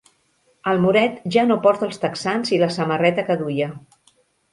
El moret ja no porta els texans i la samarreta que duia.